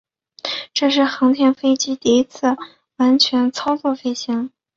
这是航天飞机第一次完全操作飞行。